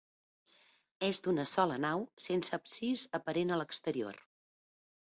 És d'una sola nau, sense absis aparent a l'exterior.